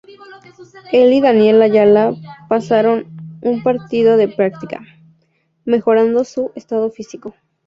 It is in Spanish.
El y Daniel Ayala pasaron un partido de práctica, mejorando su estado físico.